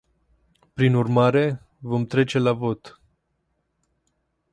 Prin urmare, vom trece la vot.